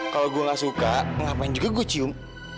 kalau gue gak suka ngapain juga gue cium